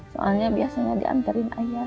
soalnya biasanya diantarin ayah